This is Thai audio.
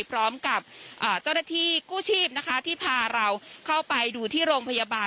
พร้อมกับเจ้าหน้าที่กู้ชีพนะคะที่พาเราเข้าไปดูที่โรงพยาบาล